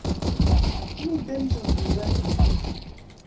Mmiten chumbik raa en koi